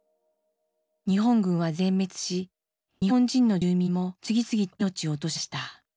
日本軍は全滅し日本人の住民も次々と命を落としました。